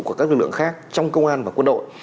của các lực lượng khác trong công an và quân đội